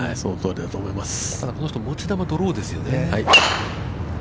ただ、この人は持ち球はドローですよね。